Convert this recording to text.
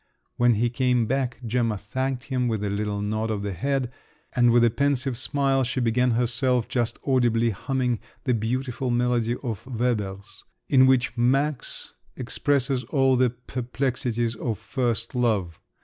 When he came back, Gemma thanked him with a little nod of the head, and with a pensive smile she began herself just audibly humming the beautiful melody of Weber's, in which Max expresses all the perplexities of first love.